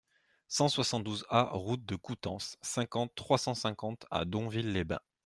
cent soixante-douze A route de Coutances, cinquante, trois cent cinquante à Donville-les-Bains